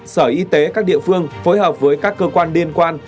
sở y tế các địa phương phối hợp với các cơ quan liên quan